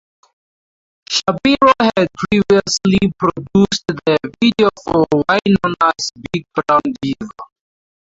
Shapiro had previously produced the video for "Wynona's Big Brown Beaver".